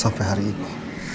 sampai hari ini